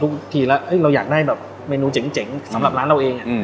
ทีแล้วเราอยากได้แบบเมนูเจ๋งสำหรับร้านเราเอง